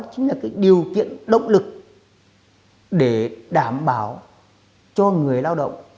chính là điều kiện động lực để đảm bảo cho người lao động